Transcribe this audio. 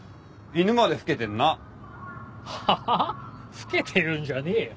老けてるんじゃねえよ。